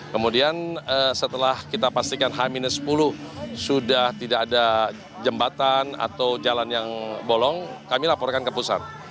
kemudian setelah kita pastikan h sepuluh sudah tidak ada jembatan atau jalan yang bolong kami laporkan ke pusat